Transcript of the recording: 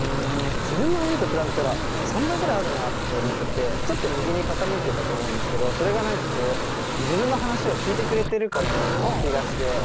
自分の耳と比べたら三倍ぐらいあるなって思ってちょっと右に傾いてたと思うんですけどそれが何か自分の話を聞いてくれてるかのような気がして。